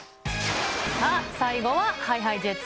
さあ、最後はＨｉＨｉＪｅｔｓ